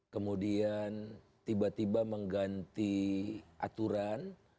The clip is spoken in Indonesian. kemudian tiba tiba mengganti aturan